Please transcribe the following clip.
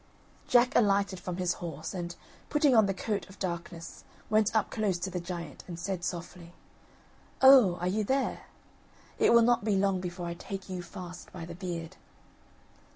Jack alighted from his horse, and, putting on the coat of darkness, went up close to the giant, and said softly: "Oh! are you there? It will not be long before I take you fast by the beard."